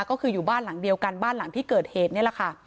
ก็คืออยู่บ้านหลังเดียวกันบ้านหลังที่เกิดเหตุนี่แหละค่ะ